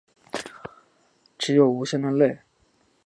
只有无声的泪